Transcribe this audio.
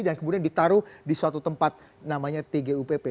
dan kemudian ditaruh di suatu tempat namanya tgupp